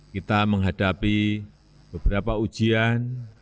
kita menghadapi beberapa ujian